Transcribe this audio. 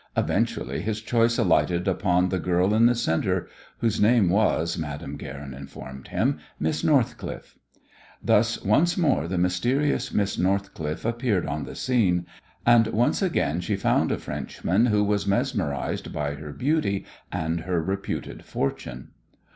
Eventually his choice alighted upon the girl in the centre, whose name was, Madame Guerin informed him, Miss Northcliffe. Thus once more the mysterious Miss Northcliffe appeared on the scene, and again she found a Frenchman who was mesmerized by her beauty and her reputed fortune.